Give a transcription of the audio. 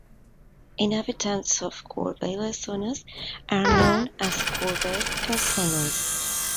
Inhabitants of Corbeil-Essonnes are known as "Corbeil-Essonnois".